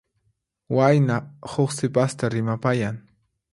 Wayna huk sipasta rimapayan.